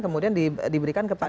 kemudian diberikan kepada